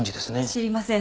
知りません